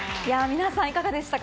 皆さん、いかがでしたか？